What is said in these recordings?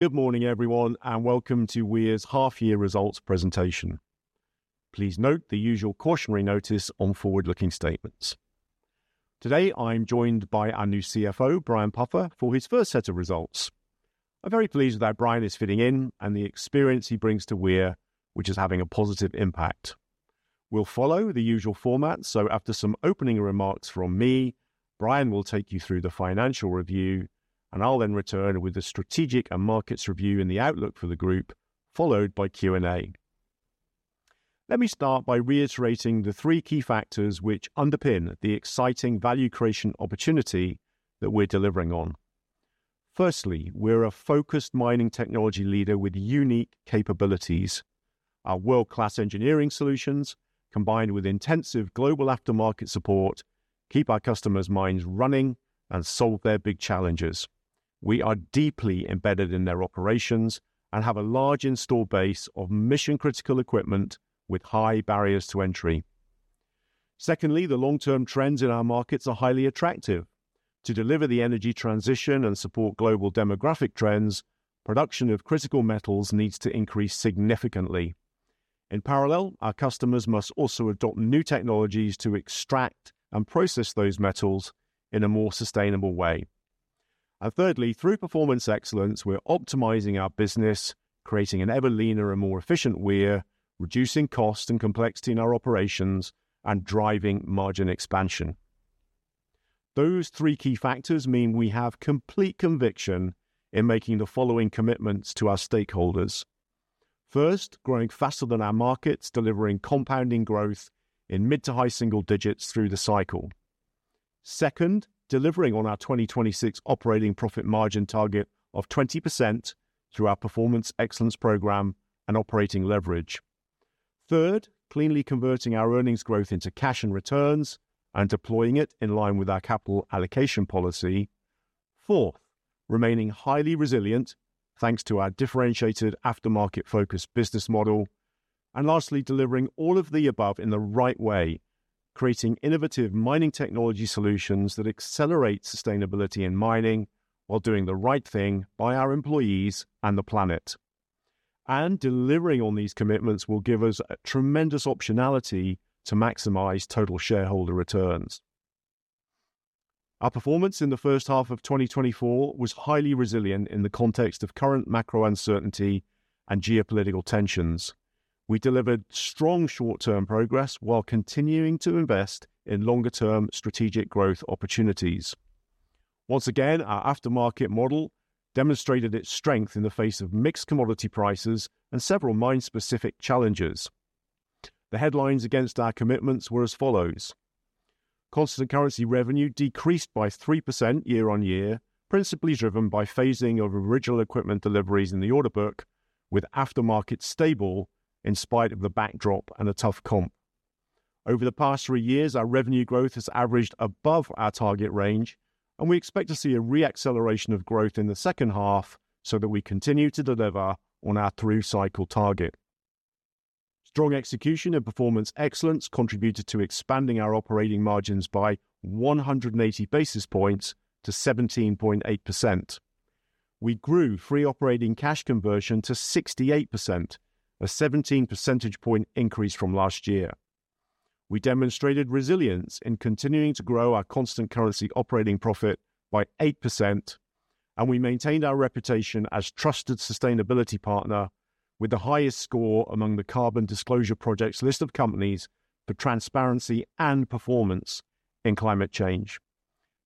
Good morning, everyone, and welcome to Weir's half-year results presentation. Please note the usual cautionary notice on forward-looking statements. Today, I'm joined by our new CFO, Brian Puffer, for his first set of results. I'm very pleased that Brian is fitting in and the experience he brings to Weir, which is having a positive impact. We'll follow the usual format, so after some opening remarks from me, Brian will take you through the financial review, and I'll then return with the strategic and markets review and the outlook for the group, followed by Q&A. Let me start by reiterating the three key factors which underpin the exciting value creation opportunity that we're delivering on. Firstly, we're a focused mining technology leader with unique capabilities. Our world-class engineering solutions, combined with intensive global aftermarket support, keep our customers' mines running and solve their big challenges. We are deeply embedded in their operations and have a large installed base of mission-critical equipment with high barriers to entry. Secondly, the long-term trends in our markets are highly attractive. To deliver the energy transition and support global demographic trends, production of critical metals needs to increase significantly. In parallel, our customers must also adopt new technologies to extract and process those metals in a more sustainable way. And thirdly, through performance excellence, we're optimizing our business, creating an ever-leaner and more efficient Weir, reducing cost and complexity in our operations, and driving margin expansion. Those three key factors mean we have complete conviction in making the following commitments to our stakeholders: First, growing faster than our markets, delivering compounding growth in mid to high single digits through the cycle. Second, delivering on our 2026 operating profit margin target of 20% through our Performance Excellence program and operating leverage. Third, cleanly converting our earnings growth into cash and returns and deploying it in line with our capital allocation policy. Fourth, remaining highly resilient, thanks to our differentiated aftermarket-focused business model. And lastly, delivering all of the above in the right way, creating innovative mining technology solutions that accelerate sustainability in mining while doing the right thing by our employees and the planet. And delivering on these commitments will give us a tremendous optionality to maximize total shareholder returns. Our performance in the first half of 2024 was highly resilient in the context of current macro uncertainty and geopolitical tensions. We delivered strong short-term progress while continuing to invest in longer-term strategic growth opportunities. Once again, our aftermarket model demonstrated its strength in the face of mixed commodity prices and several mine-specific challenges. The headlines against our commitments were as follows: Constant currency revenue decreased by 3% year on year, principally driven by phasing of original equipment deliveries in the order book, with aftermarket stable in spite of the backdrop and a tough comp. Over the past three years, our revenue growth has averaged above our target range, and we expect to see a re-acceleration of growth in the second half so that we continue to deliver on our through-cycle target. Strong execution and performance excellence contributed to expanding our operating margins by 180 basis points to 17.8%. We grew free operating cash conversion to 68%, a 17 percentage point increase from last year. We demonstrated resilience in continuing to grow our constant currency operating profit by 8%, and we maintained our reputation as trusted sustainability partner with the highest score among the Carbon Disclosure Project's list of companies for transparency and performance in climate change.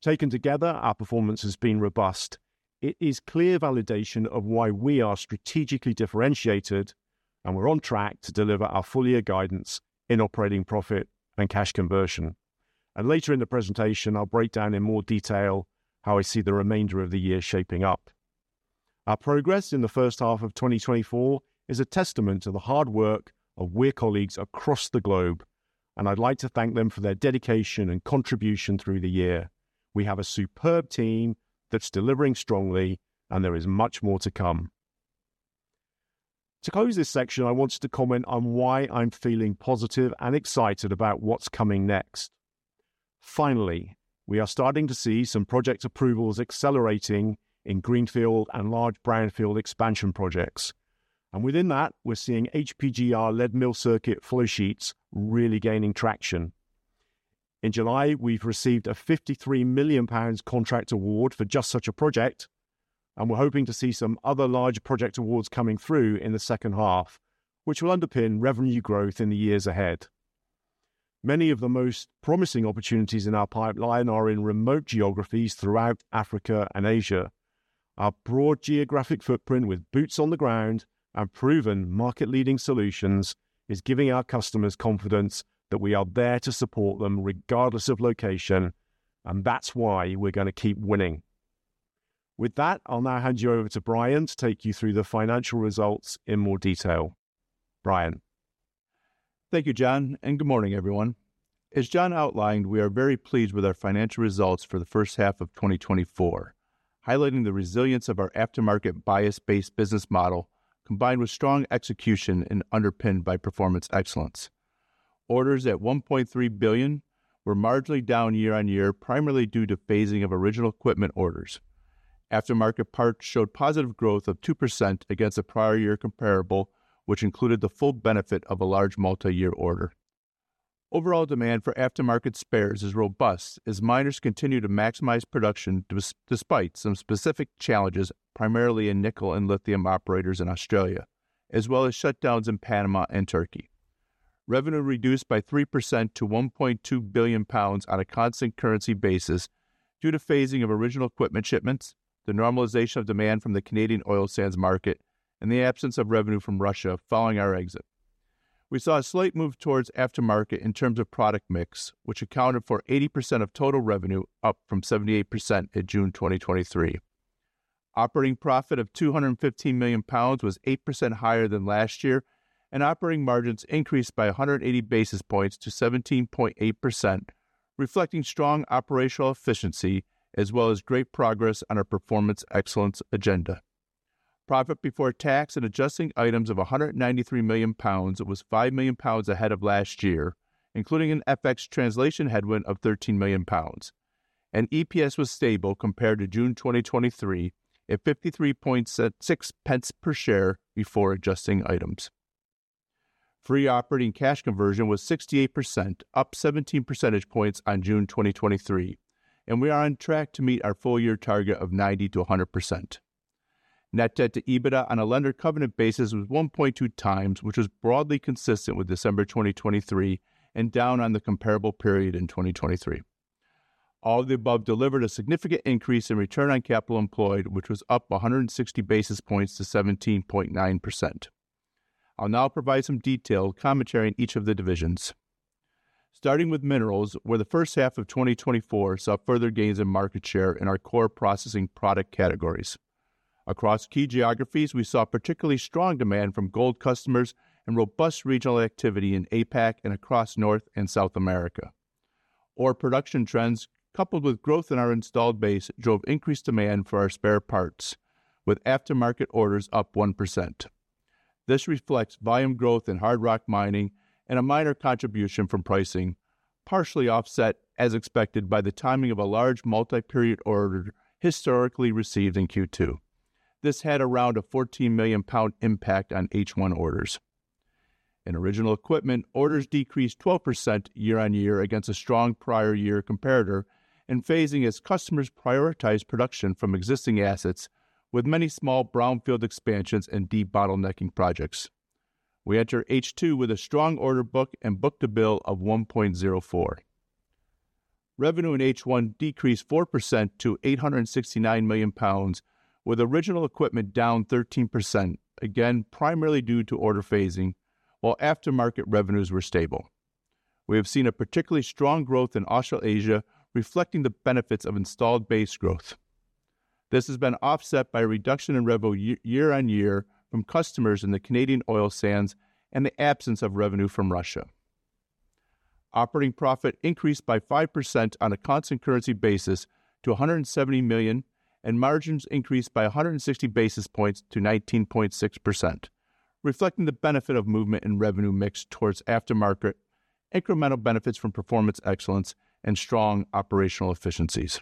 Taken together, our performance has been robust. It is clear validation of why we are strategically differentiated, and we're on track to deliver our full-year guidance in operating profit and cash conversion. And later in the presentation, I'll break down in more detail how I see the remainder of the year shaping up. Our progress in the first half of 2024 is a testament to the hard work of Weir colleagues across the globe, and I'd like to thank them for their dedication and contribution through the year. We have a superb team that's delivering strongly, and there is much more to come. To close this section, I wanted to comment on why I'm feeling positive and excited about what's coming next. Finally, we are starting to see some project approvals accelerating in greenfield and large brownfield expansion projects, and within that, we're seeing HPGR-led mill circuit flow sheets really gaining traction. In July, we've received a 53 million pounds contract award for just such a project, and we're hoping to see some other large project awards coming through in the second half, which will underpin revenue growth in the years ahead. Many of the most promising opportunities in our pipeline are in remote geographies throughout Africa and Asia. Our broad geographic footprint with boots on the ground and proven market-leading solutions is giving our customers confidence that we are there to support them regardless of location, and that's why we're gonna keep winning. With that, I'll now hand you over to Brian to take you through the financial results in more detail. Brian? Thank you, John, and good morning, everyone. As John outlined, we are very pleased with our financial results for the first half of 2024, highlighting the resilience of our aftermarket bias-based business model, combined with strong execution and underpinned by performance excellence. Orders at 1.3 billion were marginally down year-on-year, primarily due to phasing of original equipment orders. Aftermarket parts showed positive growth of 2% against the prior year comparable, which included the full benefit of a large multi-year order. Overall demand for aftermarket spares is robust as miners continue to maximize production despite some specific challenges, primarily in nickel and lithium operators in Australia, as well as shutdowns in Panama and Turkey. Revenue reduced by 3% to 1.2 billion pounds on a constant currency basis due to phasing of original equipment shipments, the normalization of demand from the Canadian oil sands market, and the absence of revenue from Russia following our exit. We saw a slight move towards aftermarket in terms of product mix, which accounted for 80% of total revenue, up from 78% in June 2023. Operating profit of 215 million pounds was 8% higher than last year, and operating margins increased by 180 basis points to 17.8%, reflecting strong operational efficiency, as well as great progress on our performance excellence agenda. Profit before tax and adjusting items of 193 million pounds was 5 million pounds ahead of last year, including an FX translation headwind of 13 million pounds, and EPS was stable compared to June 2023, at 53.6 pence per share before adjusting items. Free operating cash conversion was 68%, up 17 percentage points on June 2023, and we are on track to meet our full year target of 90%-100%. Net debt to EBITDA on a lender covenant basis was 1.2 times, which was broadly consistent with December 2023 and down on the comparable period in 2023. All the above delivered a significant increase in return on capital employed, which was up 160 basis points to 17.9%. I'll now provide some detailed commentary in each of the divisions. Starting with Minerals, where the first half of 2024 saw further gains in market share in our core processing product categories. Across key geographies, we saw particularly strong demand from gold customers and robust regional activity in APAC and across North and South America. Ore production trends, coupled with growth in our installed base, drove increased demand for our spare parts, with aftermarket orders up 1%. This reflects volume growth in hard rock mining and a minor contribution from pricing, partially offset, as expected, by the timing of a large multi-period order historically received in Q2. This had around a 14 million pound impact on H1 orders. In original equipment, orders decreased 12% year-on-year against a strong prior year comparator and phasing as customers prioritized production from existing assets, with many small brownfield expansions and debottlenecking projects. We enter H2 with a strong order book and book to bill of 1.04. Revenue in H1 decreased 4% to 869 million pounds, with original equipment down 13%, again, primarily due to order phasing, while aftermarket revenues were stable. We have seen a particularly strong growth in Australasia, reflecting the benefits of installed base growth. This has been offset by a reduction in revenue year on year from customers in the Canadian oil sands and the absence of revenue from Russia. Operating profit increased by 5% on a constant currency basis to 170 million, and margins increased by 160 basis points to 19.6%, reflecting the benefit of movement in revenue mix towards aftermarket, incremental benefits from performance excellence, and strong operational efficiencies.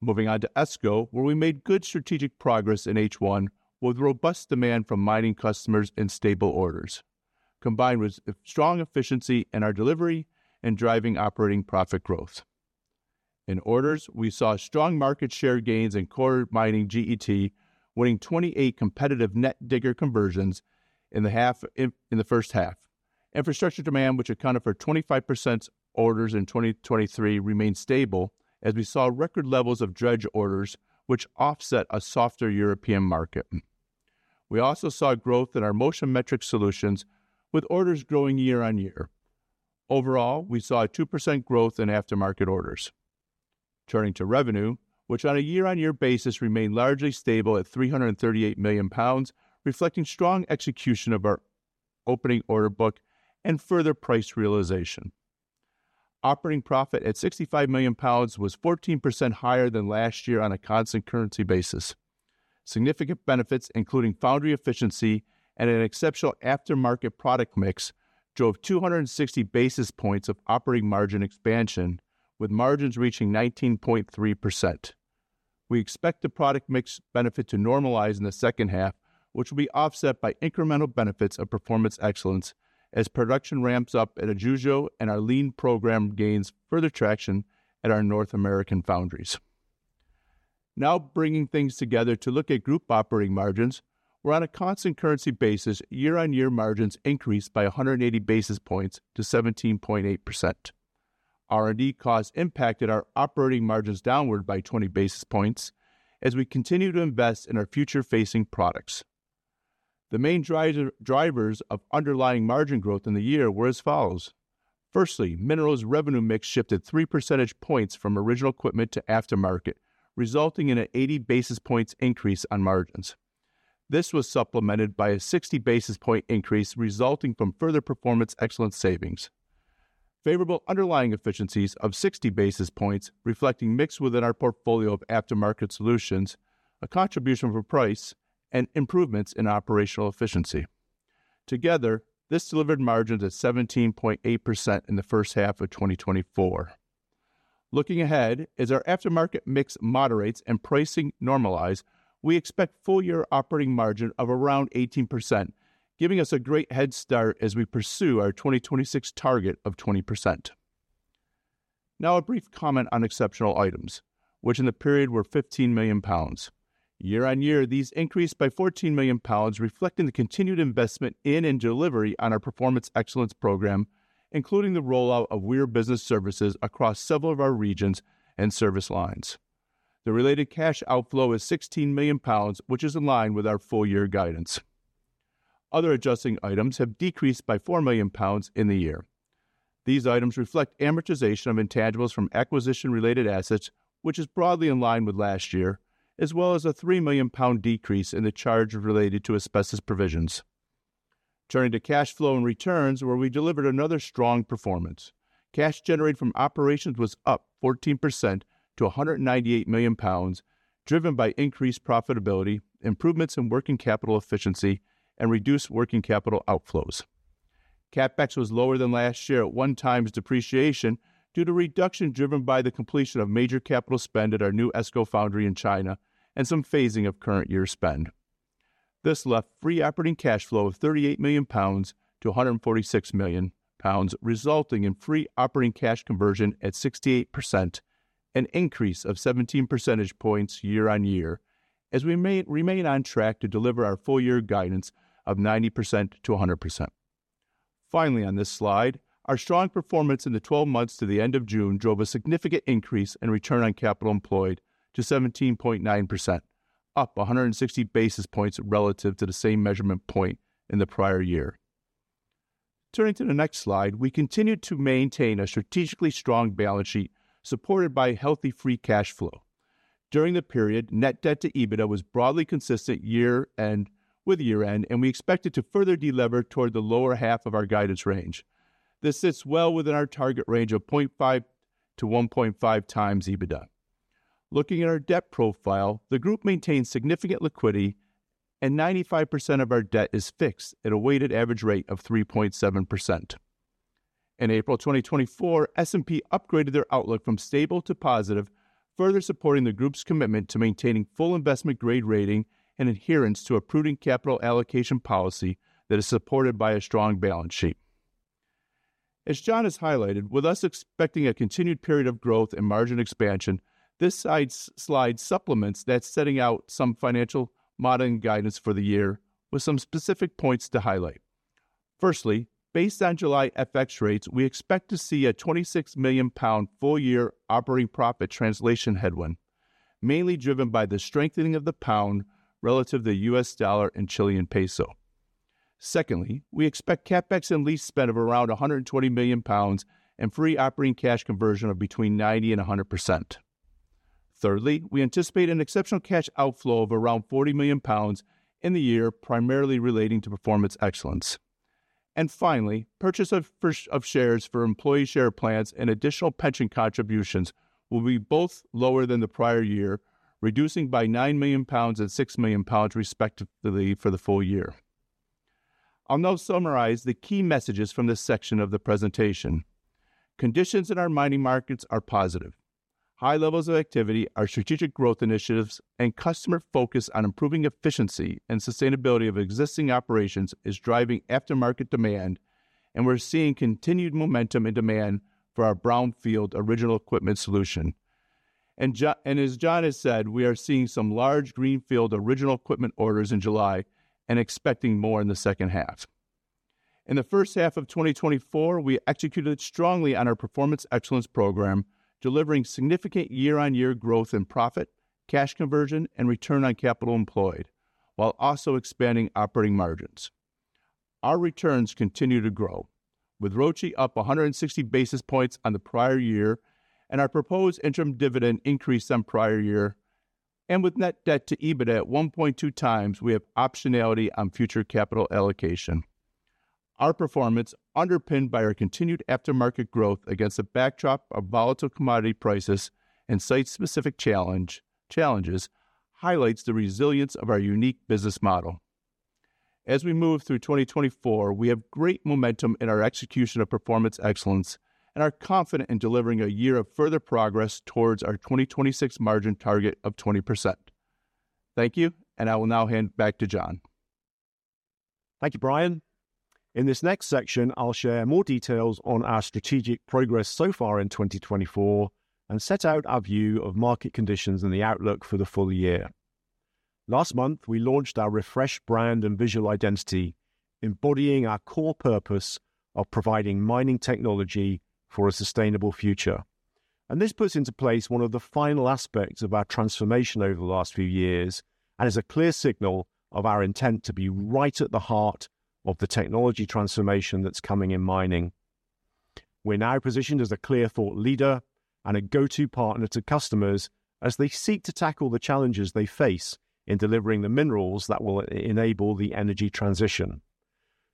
Moving on to ESCO, where we made good strategic progress in H1, with robust demand from mining customers and stable orders, combined with strong efficiency in our delivery and driving operating profit growth. In orders, we saw strong market share gains in core mining GET, winning 28 competitive net digger conversions in the first half. Infrastructure demand, which accounted for 25% orders in 2023, remained stable, as we saw record levels of dredge orders, which offset a softer European market. We also saw growth in our Motion Metrics solutions, with orders growing year-on-year. Overall, we saw a 2% growth in aftermarket orders. Turning to revenue, which on a year-on-year basis remained largely stable at 338 million pounds, reflecting strong execution of our opening order book and further price realization. Operating profit at 65 million pounds was 14% higher than last year on a constant currency basis. Significant benefits, including foundry efficiency and an exceptional aftermarket product mix, drove 260 basis points of operating margin expansion, with margins reaching 19.3%. We expect the product mix benefit to normalize in the second half, which will be offset by incremental benefits of performance excellence as production ramps up at Xuzhou and our Lean program gains further traction at our North American foundries. Now, bringing things together to look at group operating margins, where on a constant currency basis, year-on-year margins increased by 180 basis points to 17.8%. R&D costs impacted our operating margins downward by 20 basis points as we continue to invest in our future-facing products. The main driver, drivers of underlying margin growth in the year were as follows: firstly, minerals revenue mix shifted 3 percentage points from original equipment to aftermarket, resulting in an 80 basis points increase on margins. This was supplemented by a 60 basis point increase resulting from further performance excellence savings, favorable underlying efficiencies of 60 basis points reflecting mix within our portfolio of aftermarket solutions, a contribution for price, and improvements in operational efficiency. Together, this delivered margins at 17.8% in the first half of 2024. Looking ahead, as our aftermarket mix moderates and pricing normalize, we expect full-year operating margin of around 18%, giving us a great head start as we pursue our 2026 target of 20%. Now, a brief comment on exceptional items, which in the period were 15 million pounds. Year on year, these increased by 14 million pounds, reflecting the continued investment in and delivery on our Performance Excellence program, including the rollout of Weir Business Services across several of our regions and service lines. The related cash outflow is 16 million pounds, which is in line with our full-year guidance. Other adjusting items have decreased by 4 million pounds in the year. These items reflect amortization of intangibles from acquisition-related assets, which is broadly in line with last year, as well as a 3 million pound decrease in the charge related to asbestos provisions. Turning to cash flow and returns, where we delivered another strong performance. Cash generated from operations was up 14% to 198 million pounds, driven by increased profitability, improvements in working capital efficiency, and reduced working capital outflows. CapEx was lower than last year at 1 times depreciation due to reduction driven by the completion of major capital spend at our new ESCO foundry in China and some phasing of current year spend. This left free operating cash flow of 38 million pounds to 146 million pounds, resulting in free operating cash conversion at 68%, an increase of 17 percentage points year on year, as we remain on track to deliver our full-year guidance of 90%-100%. Finally, on this slide, our strong performance in the 12 months to the end of June drove a significant increase in return on capital employed to 17.9%, up 160 basis points relative to the same measurement point in the prior year. Turning to the next slide, we continued to maintain a strategically strong balance sheet, supported by healthy free cash flow. During the period, net debt to EBITDA was broadly consistent year end, with year-end, and we expect it to further delever toward the lower half of our guidance range. This sits well within our target range of 0.5-1.5 times EBITDA. Looking at our debt profile, the group maintains significant liquidity, and 95% of our debt is fixed at a weighted average rate of 3.7%. In April 2024, S&P upgraded their outlook from stable to positive, further supporting the group's commitment to maintaining full investment grade rating and adherence to a prudent capital allocation policy that is supported by a strong balance sheet. As John has highlighted, with us expecting a continued period of growth and margin expansion, this slide, slide supplements that's setting out some financial modeling guidance for the year with some specific points to highlight. Firstly, based on July FX rates, we expect to see a 26 million pound full-year operating profit translation headwind, mainly driven by the strengthening of the pound relative to the US dollar and Chilean peso. Secondly, we expect CapEx and lease spend of around 120 million pounds and free operating cash conversion of between 90% and 100%. Thirdly, we anticipate an exceptional cash outflow of around 40 million pounds in the year, primarily relating to performance excellence. And finally, purchase of shares for employee share plans and additional pension contributions will be both lower than the prior year, reducing by 9 million pounds and 6 million pounds, respectively, for the full year. I'll now summarize the key messages from this section of the presentation. Conditions in our mining markets are positive. High levels of activity, our strategic growth initiatives, and customer focus on improving efficiency and sustainability of existing operations is driving aftermarket demand, and we're seeing continued momentum and demand for our brownfield original equipment solution. As John has said, we are seeing some large greenfield original equipment orders in July and expecting more in the second half. In the first half of 2024, we executed strongly on our Performance Excellence program, delivering significant year-on-year growth in profit, cash conversion, and return on capital employed, while also expanding operating margins. Our returns continue to grow, with ROCE up 100 basis points on the prior year, and our proposed interim dividend increased on prior year. And with net debt to EBITDA at 1.2 times, we have optionality on future capital allocation. Our performance, underpinned by our continued aftermarket growth against a backdrop of volatile commodity prices and site-specific challenges, highlights the resilience of our unique business model. As we move through 2024, we have great momentum in our execution of performance excellence and are confident in delivering a year of further progress towards our 2026 margin target of 20%. Thank you, and I will now hand back to John. Thank you, Brian. In this next section, I'll share more details on our strategic progress so far in 2024 and set out our view of market conditions and the outlook for the full year. Last month, we launched our refreshed brand and visual identity, embodying our core purpose of providing mining technology for a sustainable future. And this puts into place one of the final aspects of our transformation over the last few years and is a clear signal of our intent to be right at the heart of the technology transformation that's coming in mining. We're now positioned as a clear thought leader... and a go-to partner to customers as they seek to tackle the challenges they face in delivering the minerals that will enable the energy transition.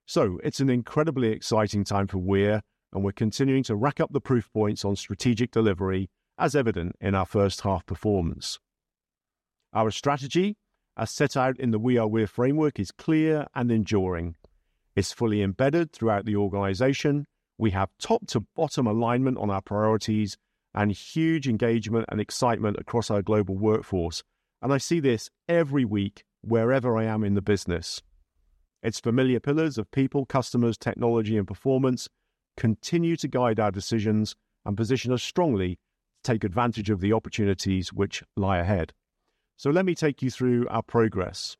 So it's an incredibly exciting time for Weir, and we're continuing to rack up the proof points on strategic delivery, as evident in our first half performance. Our strategy, as set out in the We Are Weir framework, is clear and enduring. It's fully embedded throughout the organization. We have top-to-bottom alignment on our priorities and huge engagement and excitement across our global workforce, and I see this every week wherever I am in the business. Its familiar pillars of people, customers, technology, and performance continue to guide our decisions and position us strongly to take advantage of the opportunities which lie ahead. So let me take you through our progress.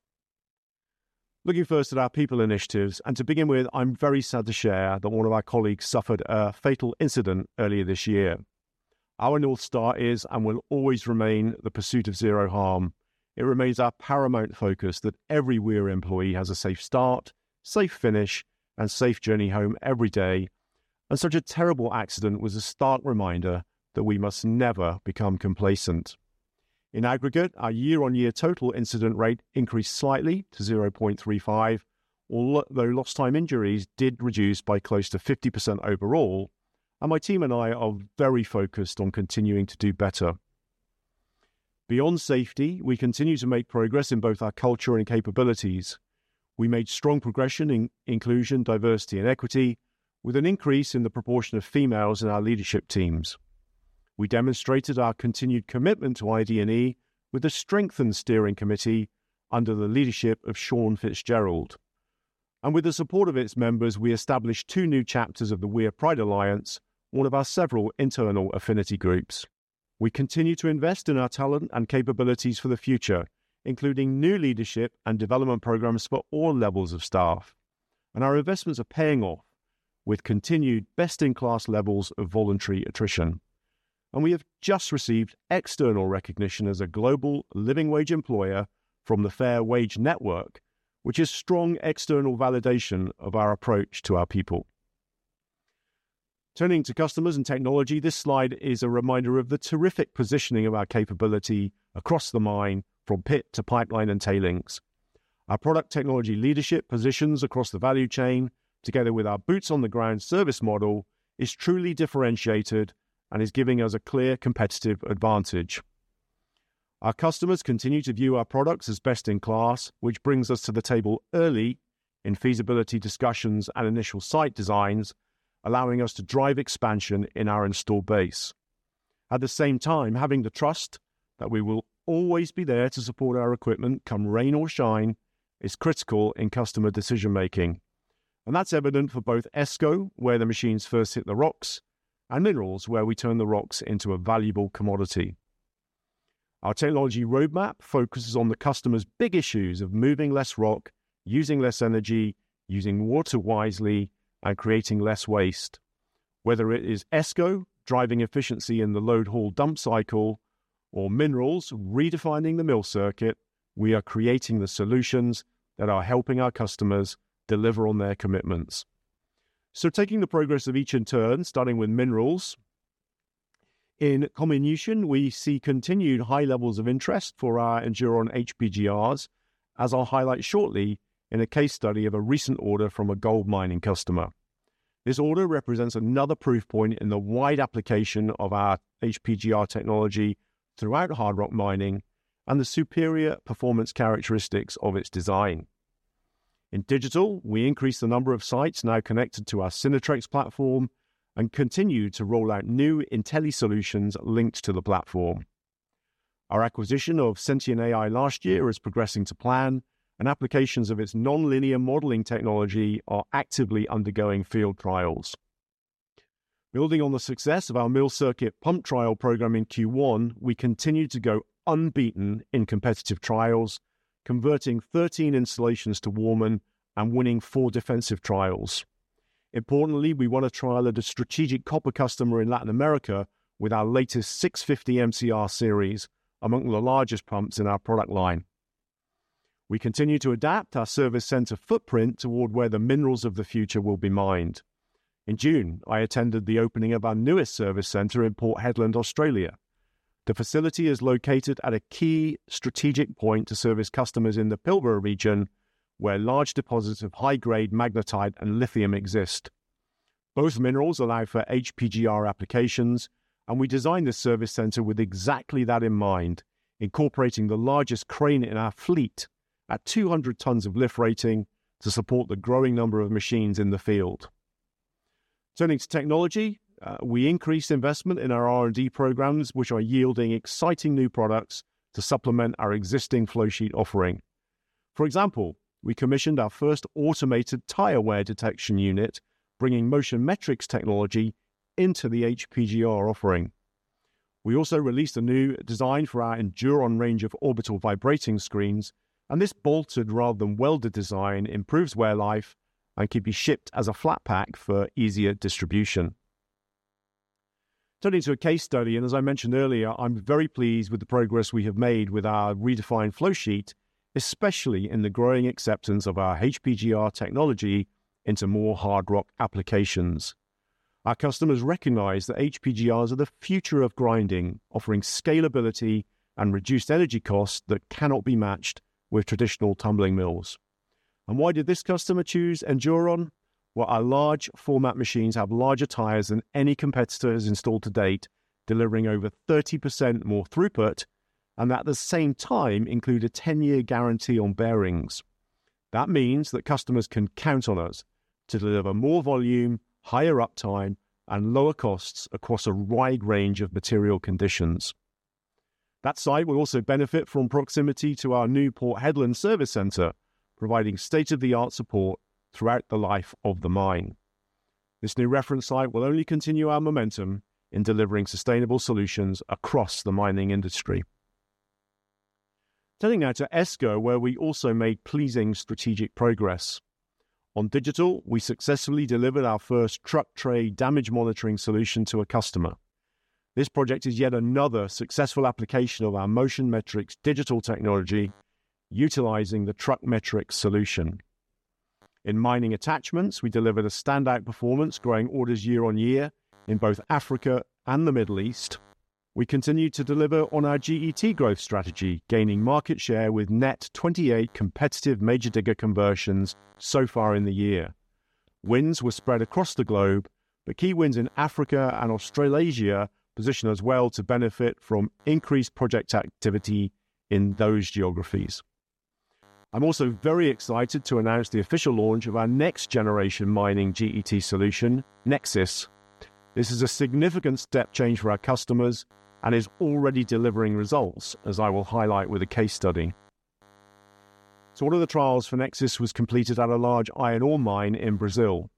Looking first at our people initiatives, and to begin with, I'm very sad to share that one of our colleagues suffered a fatal incident earlier this year. Our North Star is and will always remain the pursuit of zero harm. It remains our paramount focus that every Weir employee has a safe start, safe finish, and safe journey home every day, and such a terrible accident was a stark reminder that we must never become complacent. In aggregate, our year-on-year total incident rate increased slightly to 0.35, although lost time injuries did reduce by close to 50% overall, and my team and I are very focused on continuing to do better. Beyond safety, we continue to make progress in both our culture and capabilities. We made strong progression in inclusion, diversity, and equity, with an increase in the proportion of females in our leadership teams. We demonstrated our continued commitment to ID and E with a strengthened steering committee under the leadership of Sean Fitzgerald. With the support of its members, we established two new chapters of the Weir Pride Alliance, one of our several internal affinity groups. We continue to invest in our talent and capabilities for the future, including new leadership and development programs for all levels of staff, and our investments are paying off, with continued best-in-class levels of voluntary attrition. We have just received external recognition as a global living wage employer from the Fair Wage Network, which is strong external validation of our approach to our people. Turning to customers and technology, this slide is a reminder of the terrific positioning of our capability across the mine, from pit to pipeline and tailings. Our product technology leadership positions across the value chain, together with our boots-on-the-ground service model, is truly differentiated and is giving us a clear competitive advantage. Our customers continue to view our products as best in class, which brings us to the table early in feasibility discussions and initial site designs, allowing us to drive expansion in our installed base. At the same time, having the trust that we will always be there to support our equipment, come rain or shine, is critical in customer decision-making. And that's evident for both ESCO, where the machines first hit the rocks, and Minerals, where we turn the rocks into a valuable commodity. Our technology roadmap focuses on the customer's big issues of moving less rock, using less energy, using water wisely, and creating less waste. Whether it is ESCO, driving efficiency in the load/haul/dump cycle, or Minerals, redefining the mill circuit, we are creating the solutions that are helping our customers deliver on their commitments. So taking the progress of each in turn, starting with minerals, in comminution, we see continued high levels of interest for our Enduron HPGRs, as I'll highlight shortly in a case study of a recent order from a gold mining customer. This order represents another proof point in the wide application of our HPGR technology throughout hard rock mining and the superior performance characteristics of its design. In digital, we increased the number of sites now connected to our Synertrex platform and continue to roll out new Intelli solutions linked to the platform. Our acquisition of Sentient AI last year is progressing to plan, and applications of its nonlinear modeling technology are actively undergoing field trials. Building on the success of our mill circuit pump trial program in Q1, we continue to go unbeaten in competitive trials, converting 13 installations to Warman and winning four defensive trials. Importantly, we won a trial at a strategic copper customer in Latin America with our latest 650 MCR series, among the largest pumps in our product line. We continue to adapt our service center footprint toward where the minerals of the future will be mined. In June, I attended the opening of our newest service center in Port Hedland, Australia. The facility is located at a key strategic point to service customers in the Pilbara region, where large deposits of high-grade magnetite and lithium exist. Both minerals allow for HPGR applications, and we designed this service center with exactly that in mind, incorporating the largest crane in our fleet, at 200 tons of lift rating, to support the growing number of machines in the field. Turning to technology, we increased investment in our R&D programs, which are yielding exciting new products to supplement our existing flow sheet offering. For example, we commissioned our first automated tire wear detection unit, bringing Motion Metrics technology into the HPGR offering. We also released a new design for our Enduron range of orbital vibrating screens, and this bolted rather than welded design improves wear life and can be shipped as a flat pack for easier distribution. Turning to a case study, and as I mentioned earlier, I'm very pleased with the progress we have made with our redefined flow sheet, especially in the growing acceptance of our HPGR technology into more hard rock applications. Our customers recognize that HPGRs are the future of grinding, offering scalability and reduced energy costs that cannot be matched with traditional tumbling mills. And why did this customer choose Enduron? Well, our large format machines have larger tires than any competitor has installed to date, delivering over 30% more throughput, and at the same time include a 10-year guarantee on bearings. That means that customers can count on us to deliver more volume, higher uptime, and lower costs across a wide range of material conditions. That site will also benefit from proximity to our new Port Hedland service center, providing state-of-the-art support throughout the life of the mine. This new reference site will only continue our momentum in delivering sustainable solutions across the mining industry. Turning now to Esco, where we also made pleasing strategic progress. On digital, we successfully delivered our first truck tray damage monitoring solution to a customer. This project is yet another successful application of our Motion Metrics digital technology, utilizing the TruckMetrics solution. In mining attachments, we delivered a standout performance, growing orders year on year in both Africa and the Middle East. We continued to deliver on our GET growth strategy, gaining market share with net 28 competitive major digger conversions so far in the year. Wins were spread across the globe, but key WINS in Africa and Australasia position us well to benefit from increased project activity in those geographies. I'm also very excited to announce the official launch of our next-generation mining GET solution, Nexus. This is a significant step change for our customers and is already delivering results, as I will highlight with a case study. One of the trials for Nexus was completed at a large iron ore mine in Brazil,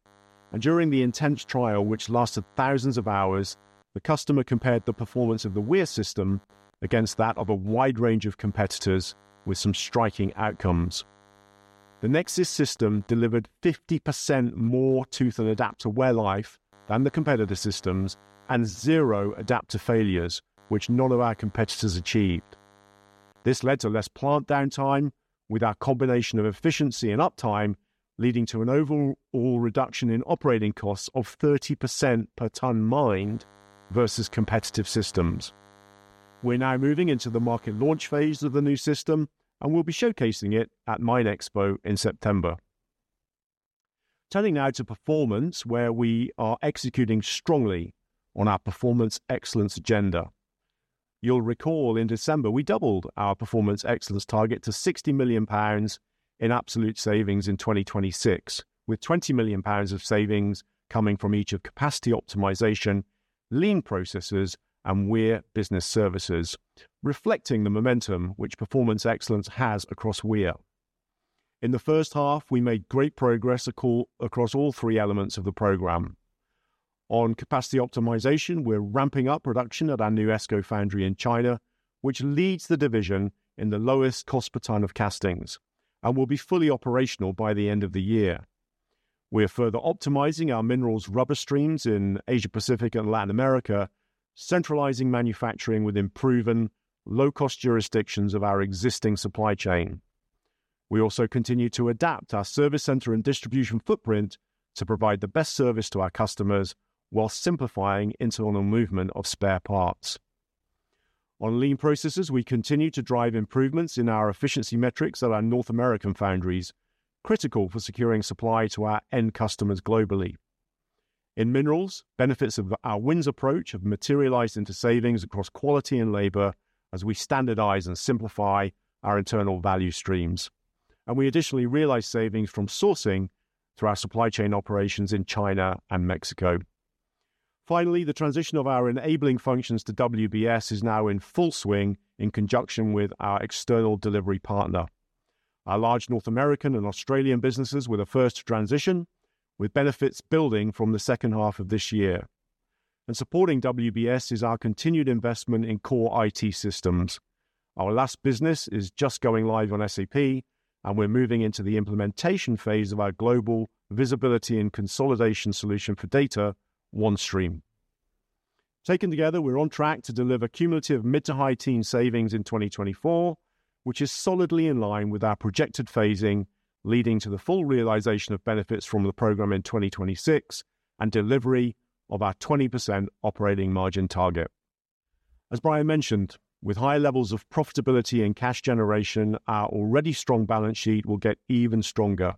and during the intense trial, which lasted thousands of hours, the customer compared the performance of the wear system against that of a wide range of competitors, with some striking outcomes. The Nexus system delivered 50% more tooth and adapter wear life than the competitor systems, and 0 adapter failures, which none of our competitors achieved. This led to less plant downtime, with our combination of efficiency and uptime leading to an overall reduction in operating costs of 30% per ton mined versus competitive systems. We're now moving into the market launch phase of the new system, and we'll be showcasing it at MINExpo in September. Turning now to performance, where we are executing strongly on our performance excellence agenda. You'll recall in December, we doubled our Performance Excellence target to 60 million pounds in absolute savings in 2026, with 20 million pounds of savings coming from each of capacity optimization, lean processes, and Weir Business Services, reflecting the momentum which Performance Excellence has across Weir. In the first half, we made great progress across all three elements of the program. On capacity optimization, we're ramping up production at our new ESCO foundry in China, which leads the division in the lowest cost per ton of castings and will be fully operational by the end of the year. We're further optimizing our minerals rubber streams in Asia-Pacific and Latin America, centralizing manufacturing within proven low-cost jurisdictions of our existing supply chain. We also continue to adapt our service center and distribution footprint to provide the best service to our customers while simplifying internal movement of spare parts. On lean processes, we continue to drive improvements in our efficiency metrics at our North American foundries, critical for securing supply to our end customers globally. In minerals, benefits of our wins approach have materialized into savings across quality and labor as we standardize and simplify our internal value streams, and we additionally realize savings from sourcing through our supply chain operations in China and Mexico. Finally, the transition of our enabling functions to WBS is now in full swing in conjunction with our external delivery partner. Our large North American and Australian businesses were the first to transition, with benefits building from the second half of this year. Supporting WBS is our continued investment in core IT systems. Our last business is just going live on SAP, and we're moving into the implementation phase of our global visibility and consolidation solution for data, OneStream. Taken together, we're on track to deliver cumulative mid- to high-teens savings in 2024, which is solidly in line with our projected phasing, leading to the full realization of benefits from the program in 2026 and delivery of our 20% operating margin target. As Brian mentioned, with high levels of profitability and cash generation, our already strong balance sheet will get even stronger.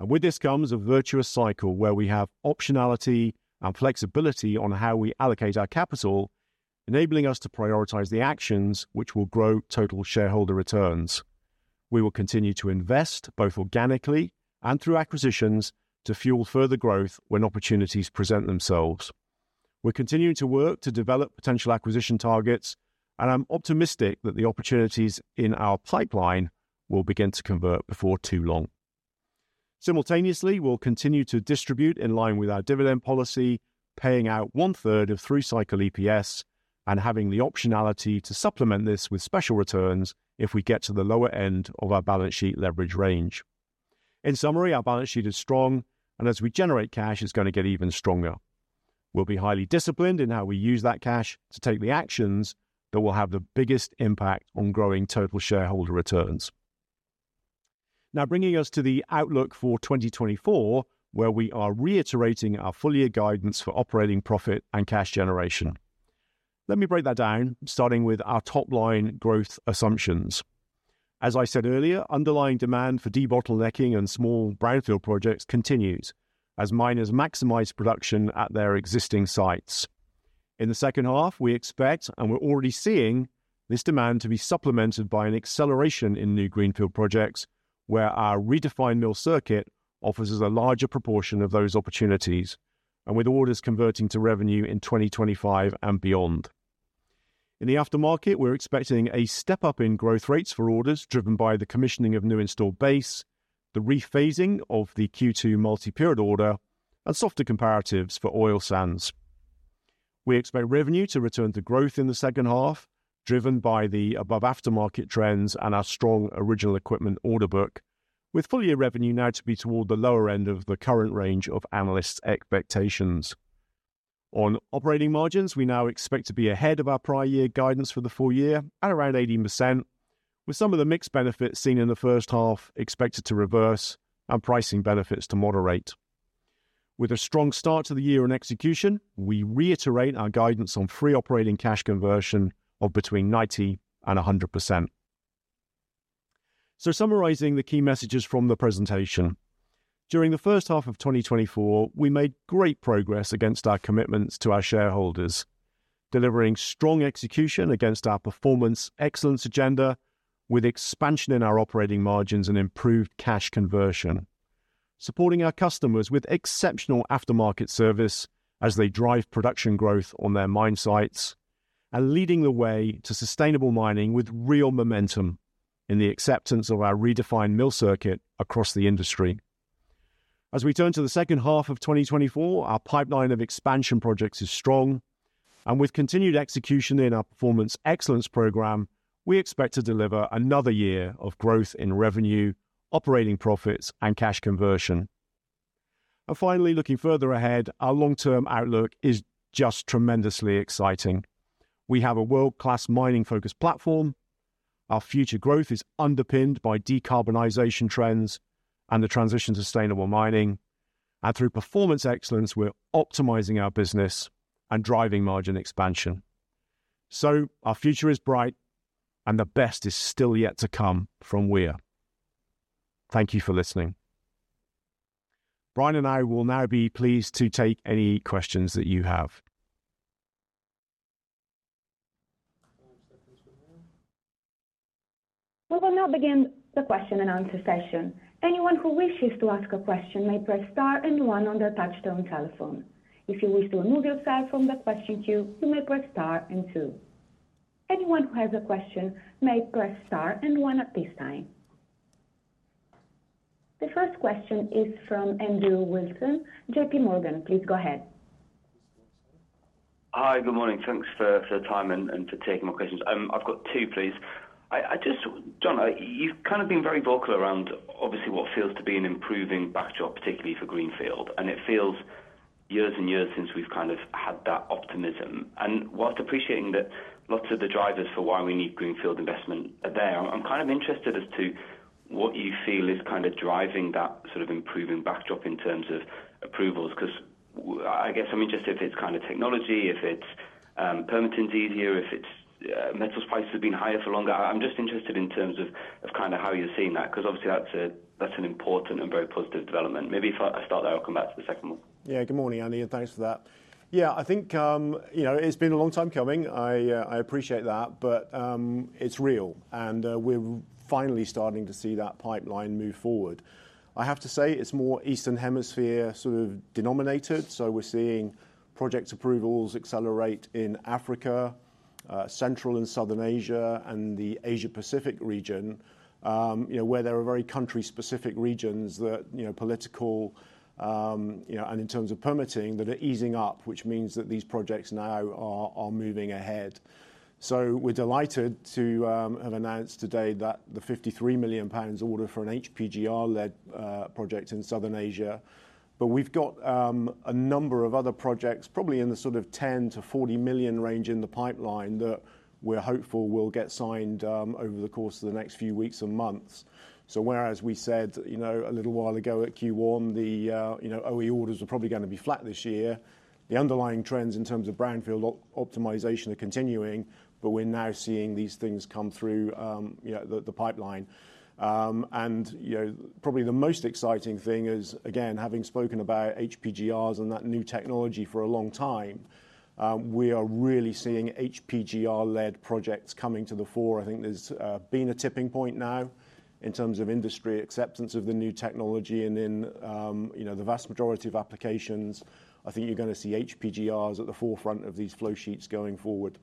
With this comes a virtuous cycle where we have optionality and flexibility on how we allocate our capital, enabling us to prioritize the actions which will grow total shareholder returns. We will continue to invest, both organically and through acquisitions, to fuel further growth when opportunities present themselves. We're continuing to work to develop potential acquisition targets, and I'm optimistic that the opportunities in our pipeline will begin to convert before too long. Simultaneously, we'll continue to distribute in line with our dividend policy, paying out one third of through-cycle EPS and having the optionality to supplement this with special returns if we get to the lower end of our balance sheet leverage range. In summary, our balance sheet is strong, and as we generate cash, it's going to get even stronger.... We'll be highly disciplined in how we use that cash to take the actions that will have the biggest impact on growing total shareholder returns. Now, bringing us to the outlook for 2024, where we are reiterating our full year guidance for operating profit and cash generation. Let me break that down, starting with our top line growth assumptions. As I said earlier, underlying demand for debottlenecking and small brownfield projects continues as miners maximize production at their existing sites. In the second half, we expect, and we're already seeing, this demand to be supplemented by an acceleration in new greenfield projects, where our redefined mill circuit offers us a larger proportion of those opportunities, and with orders converting to revenue in 2025 and beyond. In the aftermarket, we're expecting a step up in growth rates for orders, driven by the commissioning of new installed base, the rephasing of the Q2 multi-period order, and softer comparatives for oil sands. We expect revenue to return to growth in the second half, driven by the above aftermarket trends and our strong original equipment order book, with full year revenue now to be toward the lower end of the current range of analysts' expectations. On operating margins, we now expect to be ahead of our prior year guidance for the full year at around 80%, with some of the mixed benefits seen in the first half expected to reverse and pricing benefits to moderate. With a strong start to the year in execution, we reiterate our guidance on free operating cash conversion of between 90% and 100%. So summarizing the key messages from the presentation. During the first half of 2024, we made great progress against our commitments to our shareholders, delivering strong execution against our performance excellence agenda, with expansion in our operating margins and improved cash conversion. Supporting our customers with exceptional aftermarket service as they drive production growth on their mine sites, and leading the way to sustainable mining, with real momentum in the acceptance of our redefined mill circuit across the industry. As we turn to the second half of 2024, our pipeline of expansion projects is strong, and with continued execution in our Performance Excellence program, we expect to deliver another year of growth in revenue, operating profits, and cash conversion. And finally, looking further ahead, our long-term outlook is just tremendously exciting. We have a world-class mining-focused platform. Our future growth is underpinned by decarbonization trends and the transition to sustainable mining. And through Performance Excellence, we're optimizing our business and driving margin expansion. So our future is bright, and the best is still yet to come from Weir. Thank you for listening. Brian and I will now be pleased to take any questions that you have. We will now begin the question and answer session. Anyone who wishes to ask a question may press star and one on their touchtone telephone. If you wish to remove yourself from the question queue, you may press star and two. Anyone who has a question may press star and one at this time. The first question is from Andrew Wilson, JP Morgan. Please go ahead. Hi, good morning. Thanks for the time and for taking my questions. I've got two, please. I just, John, you've kind of been very vocal around obviously what feels to be an improving backdrop, particularly for Greenfield, and it feels years and years since we've kind of had that optimism. While appreciating that lots of the drivers for why we need greenfield investment are there, I'm kind of interested as to what you feel is kind of driving that sort of improving backdrop in terms of approvals, 'cause I guess I'm interested if it's kind of technology, if it's permitting is easier, if it's metals prices have been higher for longer. I'm just interested in terms of kind of how you're seeing that, 'cause obviously that's an important and very positive development. Maybe if I start there, I'll come back to the second one. Yeah. Good morning, Andy, and thanks for that. Yeah, I think, you know, it's been a long time coming. I, I appreciate that, but, it's real, and, we're finally starting to see that pipeline move forward. I have to say, it's more Eastern Hemisphere sort of denominated, so we're seeing project approvals accelerate in Africa, Central and Southern Asia, and the Asia-Pacific region. You know, where there are very country-specific regions that, you know, political, you know, and in terms of permitting, that are easing up, which means that these projects now are moving ahead. So we're delighted to have announced today that the 53 million pounds order for an HPGR-led project in Southern Asia, but we've got a number of other projects, probably in the sort of 10 million-40 million range in the pipeline, that we're hopeful will get signed over the course of the next few weeks and months. So whereas we said, you know, a little while ago at Q1, the, you know, OE orders are probably gonna be flat this year. The underlying trends in terms of brownfield optimization are continuing, but we're now seeing these things come through, you know, the, the pipeline. And, you know, probably the most exciting thing is, again, having spoken about HPGRs and that new technology for a long time, we are really seeing HPGR-led projects coming to the fore. I think there's been a tipping point now in terms of industry acceptance of the new technology. And then, you know, the vast majority of applications, I think you're gonna see HPGRs at the forefront of these flow sheets going forward.